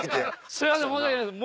すいません申し訳ないです。